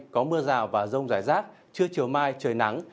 có mưa rào và rông rải rác trưa chiều mai trời nắng